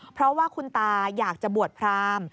เพราะว่าคุณตาอยากจะบวชพราม